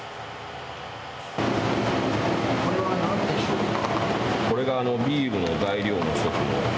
これはなんでしょうか。